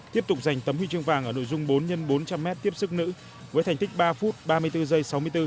tiếp tục giành tấm huy chương vàng ở nội dung bốn x bốn trăm linh m tiếp sức nữ với thành tích ba phút ba mươi bốn giây sáu mươi bốn